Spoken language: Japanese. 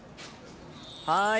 はい！